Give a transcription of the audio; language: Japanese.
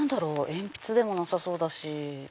鉛筆でもなさそうだし。